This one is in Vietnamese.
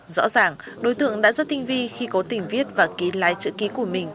rõ ràng đối tượng đã rất tinh vi khi cố tình viết và ký lái chữ ký của mình